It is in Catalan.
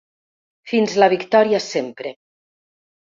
Fins la victòria sempre!